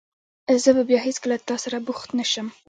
زه به بیا هېڅکله له تاسره بوخت نه شم.